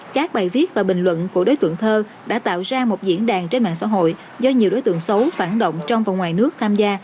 các bài viết và bình luận của đối tượng thơ đã tạo ra một diễn đàn trên mạng xã hội do nhiều đối tượng xấu phản động trong và ngoài nước tham gia